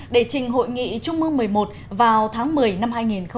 để trình hội nghị trung ương một mươi một vào tháng một mươi năm hai nghìn một mươi chín